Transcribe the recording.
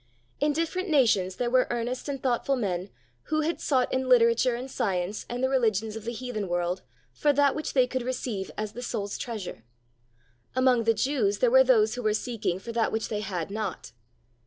In different nations there were earnest and thoughtful men who had sought in literature and science and the religions of the heathen world for that which they could receive as the soul's treasure. Among the Jews there were those who were seeking for that which they had not.